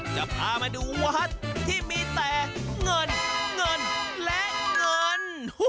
จะพามาดูวัดที่มีแต่เงินเงินและเงิน